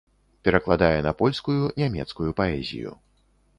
Перакладае на польскую нямецкую паэзію.